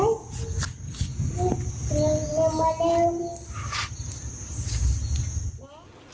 เนียมมาเร็ว